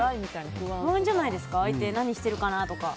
不安じゃないですか相手、何してるかなとか。